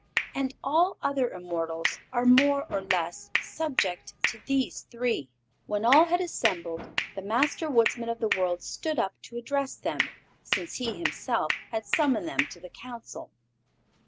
And all other immortals are more or less subject to these three. When all had assembled the Master Woodsman of the World stood up to address them, since he himself had summoned them to the council.